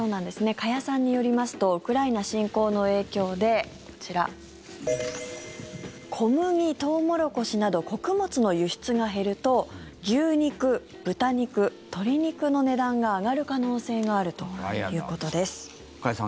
加谷さんによりますとウクライナ侵攻の影響で、こちら小麦、トウモロコシなど穀物の輸出が減ると牛肉、豚肉、鶏肉の値段が上がる可能性があるということです。